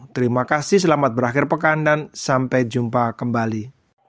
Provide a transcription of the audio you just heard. terima kasih selamat berakhir pekan dan sampai jumpa kembali